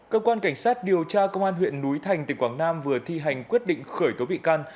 cơ quan cảnh sát điều tra công an huyện núi thành tỉnh quảng nam vừa thi hành quyết định khởi tố bị can